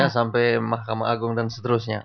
sampai mahkamah agung dan seterusnya